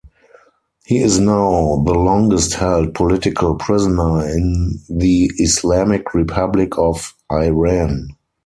He is now "the longest-held political prisoner in the Islamic Republic of Iran".